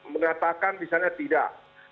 mengatakan misalnya tidak